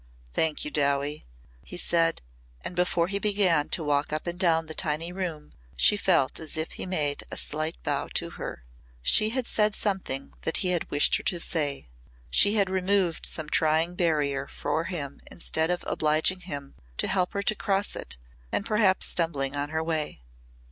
"Thank you, Dowie," he said and before he began to walk up and down the tiny room she felt as if he made a slight bow to her. She had said something that he had wished her to say. She had removed some trying barrier for him instead of obliging him to help her to cross it and perhaps stumbling on her way.